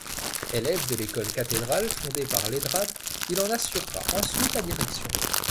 Élève de l’École cathédrale fondée par Leidrade, il en assurera ensuite la direction.